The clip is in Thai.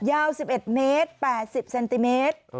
ยาว๑๑เมตร๘๐เซนติเมตร